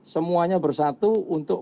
semuanya bersatu untuk